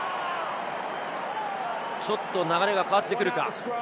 ちょっと流れが変わってくるか？